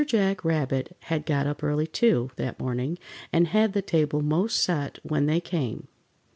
Jack Rabbit had got up early, too, that morning, and had the table 'most set when they came.